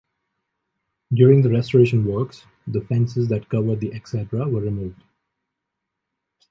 During the restoration works, the fences that covered the exedra were removed.